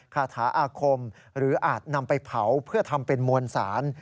คาถาอาคมหรืออาจนำไปเผาเพื่อทำเป็นมวลสาร